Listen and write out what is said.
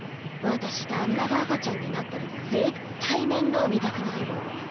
私旦那が赤ちゃんになったら絶対面倒見たくないわ。